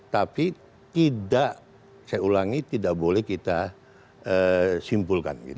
tapi tidak saya ulangi tidak boleh kita simpulkan